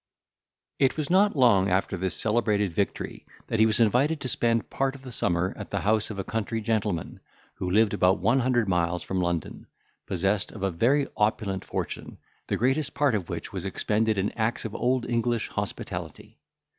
It was not long after this celebrated victory, that he was invited to spend part of the summer at the house of a country gentleman, who lived about one hundred miles from London, possessed of a very opulent fortune, the greatest part of which was expended in acts of old English hospitality.